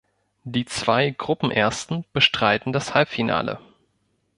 Die zwei Gruppenersten bestreiten das Halbfinale.